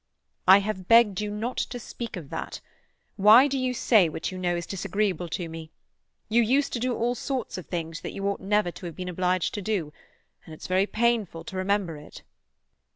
"I have begged you not to speak of that. Why do you say what you know is disagreeable to me? You used to do all sorts of things that you never ought to have been obliged to do, and it's very painful to remember it."